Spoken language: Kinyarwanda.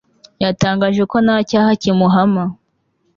Yatangaje ko nta cyaha kimuhama